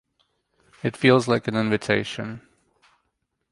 It feels like an invitation.